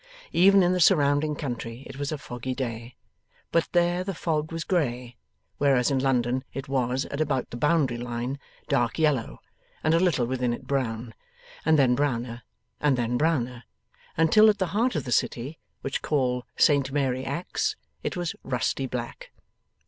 Even in the surrounding country it was a foggy day, but there the fog was grey, whereas in London it was, at about the boundary line, dark yellow, and a little within it brown, and then browner, and then browner, until at the heart of the City which call Saint Mary Axe it was rusty black.